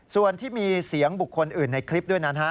ส่วนที่มีเสียงบุคคลอื่นในคลิปด้วยนั้น